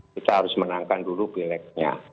kita harus menangkan dulu pileknya